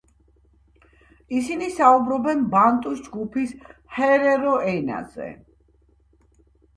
ისინი საუბრობენ ბანტუს ჯგუფის ჰერერო ენაზე.